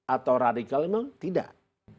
atau radikal memang tidak